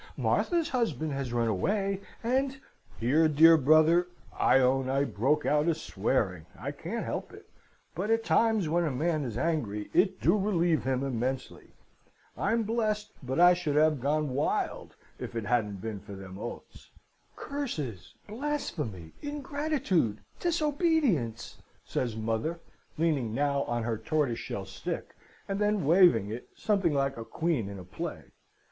Martha's husband has run away, and ' "Here, dear brother, I own I broke out a swearing. I can't help it; but at times, when a man is angry, it do relieve him immensely. I'm blest, but I should have gone wild, if it hadn't been for them oaths. "'Curses, blasphemy, ingratitude, disobedience,' says mother, leaning now on her tortoiseshell stick, and then waving it something like a queen in a play.